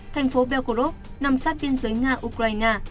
thành phố belgorod nằm sát biên giới nga ukraine